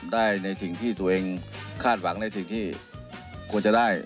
ได้ในสิ่งที่ตัวเองคาดหวังในสิ่งที่ควรจะได้